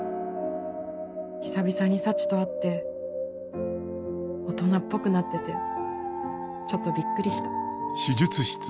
久々に沙智と会って大人っぽくなっててちょっとびっくりした。